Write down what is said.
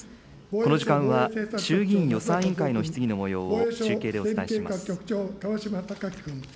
この時間は衆議院予算委員会の質疑のもようを、中継でお伝えします。